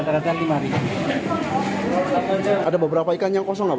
tanya pak kenaikan mulai berapa pak jenis ikan